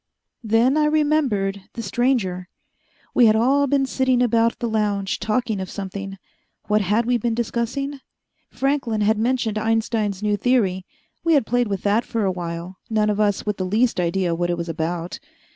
Then I remembered the stranger. We had all been sitting about the lounge, talking of something. What had we been discussing? Franklin had mentioned Einstein's new theory we had played with that for a while, none of us with the least idea what it was about.